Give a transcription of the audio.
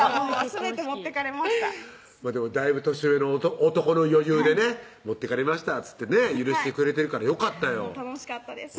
すべて持ってかれましたでもだいぶ年上の男の余裕でね「持ってかれました」っつってね許してくれてるからよかったよ楽しかったです